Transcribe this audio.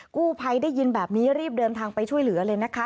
กู้ภัยได้ยินแบบนี้รีบเดินทางไปช่วยเหลือเลยนะคะ